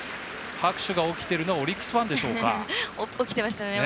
拍手が起きているのはオリックスファンでしょうか。